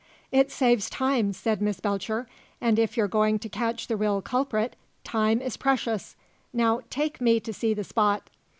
"It saves time," said Miss Belcher. "And if you're going to catch the real culprit, time is precious. Now take me to see the spot."